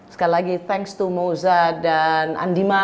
sekali lagi thanks to moza dan andima